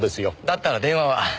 だったら電話は？